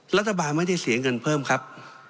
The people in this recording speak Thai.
รัฐบาลไม่ได้เสียเงินเพิ่มครับ